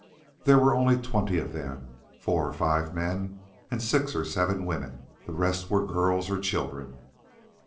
There were only twenty of them; four or five men and six or seven women. The rest were girls or children.